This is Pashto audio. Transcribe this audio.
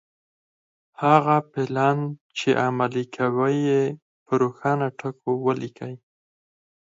هغه پلان چې عملي کوئ يې په روښانه ټکو وليکئ.